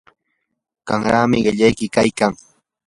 qanrami qaqllayki kaykan.